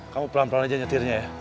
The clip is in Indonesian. kamu pelan pelan aja nyetirnya ya